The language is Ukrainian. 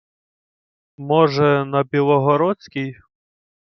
— Може, на білогородській?